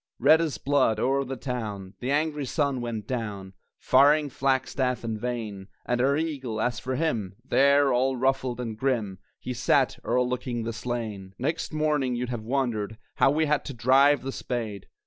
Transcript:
Red as blood, o'er the town, The angry sun went down, Firing flagstaff and vane And our eagle, as for him, There, all ruffled and grim, He sat, o'erlooking the slain! Next morning, you'd have wondered How we had to drive the spade!